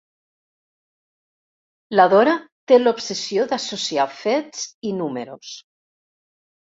La Dora té l'obsessió d'associar fets i números.